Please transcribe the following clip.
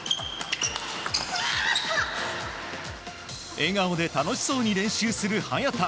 笑顔で楽しそうに練習する早田。